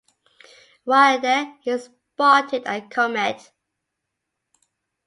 While there, he spotted a comet.